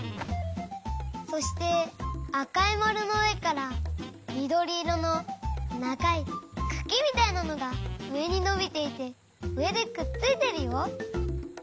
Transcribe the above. そしてあかいまるのうえからみどりいろのながいくきみたいなのがうえにのびていてうえでくっついてるよ。